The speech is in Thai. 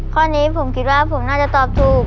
ข้อนี้ผมคิดว่าผมน่าจะตอบถูก